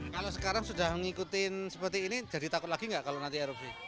kalau sekarang sudah mengikuti seperti ini jadi takut lagi nggak kalau nanti erupsi